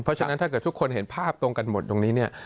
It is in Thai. เพราะฉะนั้นถ้าเกิดทุกคนเห็นภาพตรงกันหมดตรงนี้เนี่ย